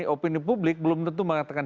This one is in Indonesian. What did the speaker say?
opini publik belum tentu mengatakan